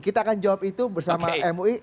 kita akan jawab itu bersama mui